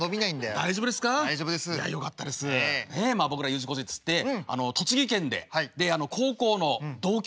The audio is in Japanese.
まあ僕らＵ字工事っつって栃木県で高校の同級生なんですね。